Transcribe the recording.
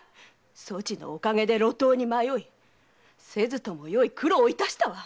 そちのおかげで路頭に迷いせずともよい苦労を致したわ！